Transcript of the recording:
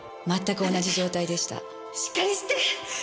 しっかりして！